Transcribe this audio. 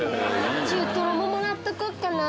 中トロももらっとこっかな